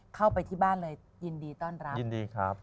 เข้าไปที่บ้านเลยยินดีต้อนรับ